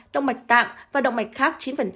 động mạch tạng và động mạch khác chín